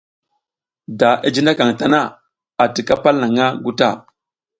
Da i jinakaƞ tana, a tika palnaƞʼha nguta.